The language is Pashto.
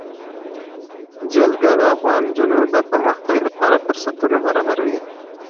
جلګه د افغان نجونو د پرمختګ لپاره فرصتونه برابروي.